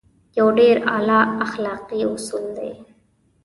يو ډېر اعلی اخلاقي اصول دی.